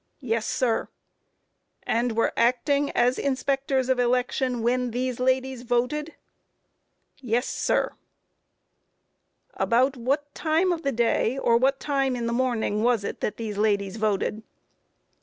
A. Yes, sir. Q. And were acting as inspectors of election when these ladies voted? A. Yes, sir. Q. About what time in the day, or what time in the morning was it that these ladies voted?